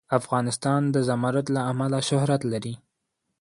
افغانستان د زمرد له امله شهرت لري.